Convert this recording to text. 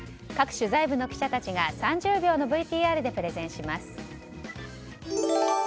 各取材部の記者たちが３０秒のＶＴＲでプレゼンします。